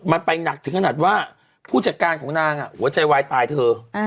มันไปหนักถึงขนาดว่าผู้จัดการของนางหัวใจวายตายเธอ